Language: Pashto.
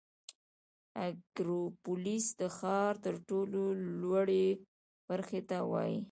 اکروپولیس د ښار تر ټولو لوړې برخې ته وایي.